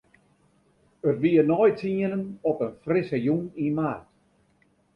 It wie nei tsienen op in frisse jûn yn maart.